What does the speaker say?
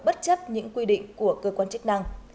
bất chấp những quy định của cơ quan chức năng